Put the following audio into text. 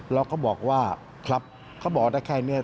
เราก็บอกว่าครับเขาบอกได้แค่นี้